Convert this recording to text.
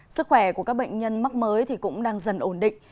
sức khỏe của các bệnh nhân mắc mới cũng đang dần ổn định